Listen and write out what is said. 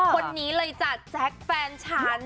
คนนี้เลยจ้ะแจ๊คแฟนฉัน